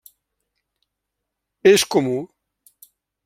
És comú.